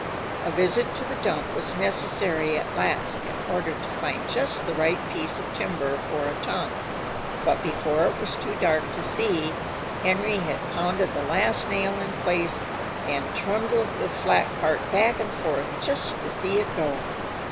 A visit to the dump was necessary at last, in order to find just the right piece of timber for a tongue, but before it was too dark to see, Henry had pounded the last nail in place and trundled the flat cart back and forth just to see it go.